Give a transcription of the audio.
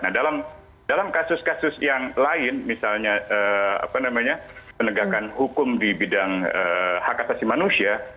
nah dalam kasus kasus yang lain misalnya penegakan hukum di bidang hak asasi manusia